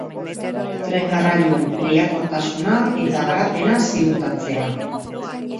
Tren garraioen lehiakortasuna eta garapena ziurtatzea.